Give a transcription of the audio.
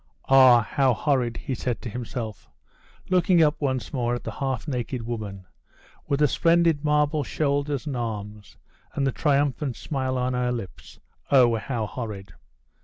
"Ah, how horrid!" he said to himself, looking up once more at the half naked woman, with the splendid marble shoulders and arms, and the triumphant smile on her lips. "Oh, how horrid!"